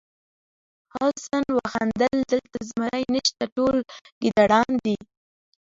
حسن وخندل دلته زمری نشته ټول ګیدړان دي.